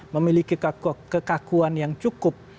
memiliki kekakuan yang cukup